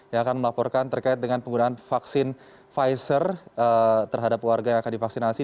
yang akan melaporkan terkait dengan penggunaan vaksin pfizer terhadap warga yang akan divaksinasi